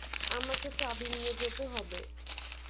আমাকে চাবি নিয়ে যেতে হবে।